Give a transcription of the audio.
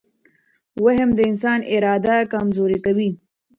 وهم د انسان اراده کمزورې کوي.